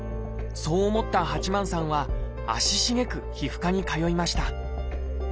そう思った八幡さんは足しげく皮膚科に通いました。